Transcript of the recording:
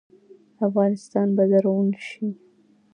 افغانستان به زرغون شي.